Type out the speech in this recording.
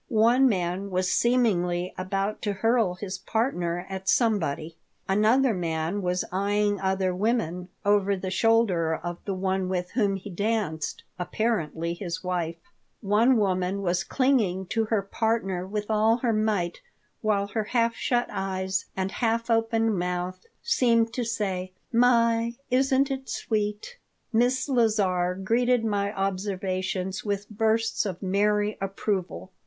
One man was seemingly about to hurl his partner at somebody. Another man was eying other women over the shoulder of the one with whom he danced, apparently his wife. One woman was clinging to her partner with all her might, while her half shut eyes and half opened mouth seemed to say, "My, isn't it sweet!" Miss Lazar greeted my observations with bursts of merry approval.